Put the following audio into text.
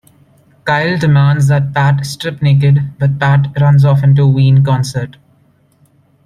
Kyle demands that Pat strip naked, but Pat runs off into a Ween concert.